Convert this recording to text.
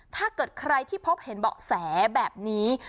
ถ้าเกิดใครที่พบเห็นเบาะแสแบบนี้